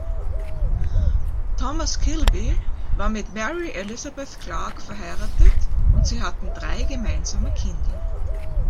Thomas Kilby war mit Mary Elizabeth Clark verheiratet und sie hatten drei gemeinsame Kinder.